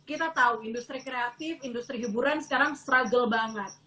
kita tahu industri kreatif industri hiburan sekarang struggle banget